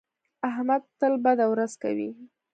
احمد تل بده ورځ کوي.